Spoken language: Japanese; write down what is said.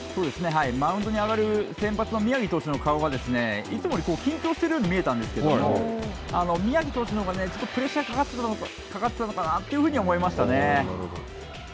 マウンドに上がる先発の宮城投手の顔がいつもより緊張してるように見えたんですけど、宮城投手のほうがちょっとプレッシャーがかかってたのかなというふうに思いましたね。